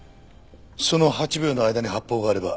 その８秒の間に発砲があれば死傷者が出る。